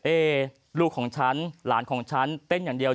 เอ๊ลูกของฉันหลานของฉันเต้นอย่างเดียว